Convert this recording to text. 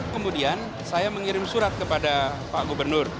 kemudian saya mengirim surat kepada pak gubernur